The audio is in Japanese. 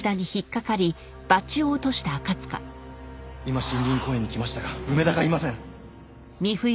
「今森林公園に来ましたが梅田がいません」